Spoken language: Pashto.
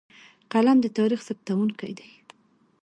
قلم د تاریخ ثبتونکی دی.